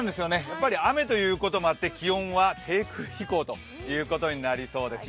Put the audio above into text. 雨ということもあって、気温は低空飛行ということになりそうです。